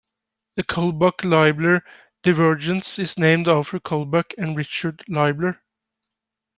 The Kullback-Leibler divergence is named after Kullback and Richard Leibler.